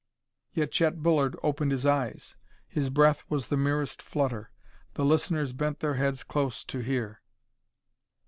Yet Chet Bullard opened his eyes. His breath was the merest flutter; the listeners bent their heads close to hear.